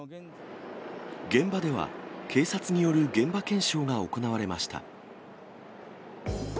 現場では警察による現場検証が行われました。